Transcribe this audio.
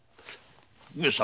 上様